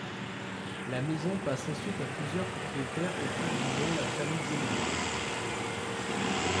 La maison passe ensuite à plusieurs propriétaires au cours du dont la famille Dieudonné.